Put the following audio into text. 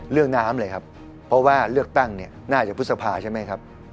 เรื่องน้ำเลยครับเพราะว่าเลือกตั้งเนี่ยน่าจะพฤษภาใช่ไหมครับ